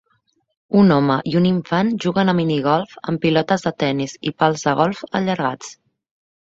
Un home i un infant juguen a minigolf amb pilotes de tennis i pals de golf allargats.